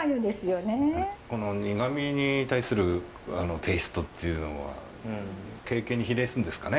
この苦味に対するテイストっていうのは経験に比例するんですかね？